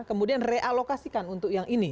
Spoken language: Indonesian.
kemudian realokasikan untuk yang ini